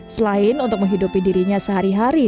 selain untuk menghidupi dirinya sehari hari